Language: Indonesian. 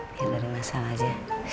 biar gak ada masalah aja